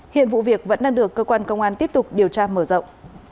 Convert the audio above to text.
hiện vụ việc vẫn đang được cơ quan công an tiếp tục điều tra mở rộng